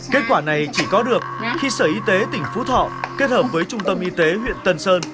kết quả này chỉ có được khi sở y tế tỉnh phú thọ kết hợp với trung tâm y tế huyện tân sơn